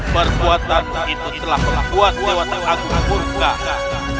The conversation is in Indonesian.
perkuatanmu itu telah membuat dewatak agung murka